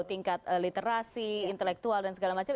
tingkat literasi intelektual dan segala macam